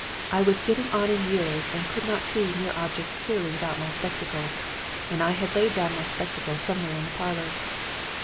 I was getting on in years and could not see near objects clearly without my spectacles; and I had laid down my spectacles somewhere in the parlor.